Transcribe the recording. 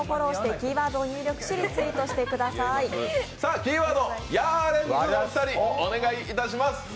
キーワード、ヤーレンズのお二人お願いします。